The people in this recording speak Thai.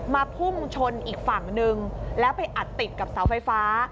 พุ่งชนอีกฝั่งนึงแล้วไปอัดติดกับเสาไฟฟ้า